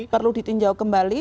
perlu ditinjau kembali